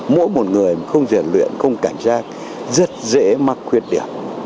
mỗi một người không rèn luyện không cảnh giác rất dễ mắc khuyết điểm